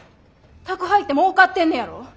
宅配ってもうかってんねやろ？